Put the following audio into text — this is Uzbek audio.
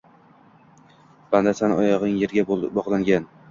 Bandasan, oyog’ing yerga bog’langan!